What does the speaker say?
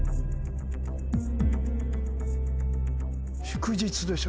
祝日でしょ